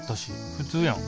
普通やん。